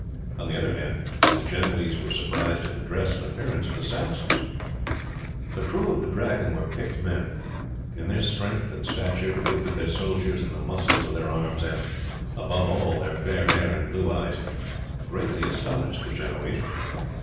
On the other hand, the Genoese were surprised at the dress and appearance of the Saxons. The crew of the Dragon were picked men, and their strength and stature, the width of their shoulders, and the muscles of their arms, and, above all, their fair hair and blue eyes, greatly astonished the Genoese.